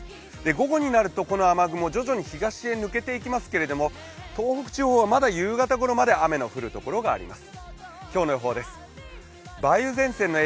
午後になるとこの雨雲、徐々に東へ抜けていきますけれども、東北地方は、まだ夕方ごろまで雨の降るところがあります。